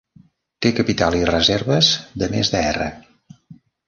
Té capital i reserves de més de R.